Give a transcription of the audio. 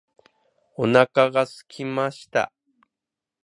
お腹が空きました。